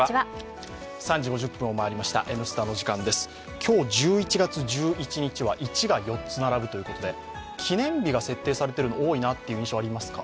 今日１１月１１日は「１」が４つ並ぶということで、記念日が設定されるのが多いなという印象ありますか？